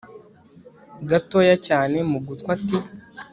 gatoya cyane mugutwi ati